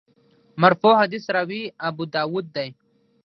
مرفوع حدیث راوي ابوداوود دی.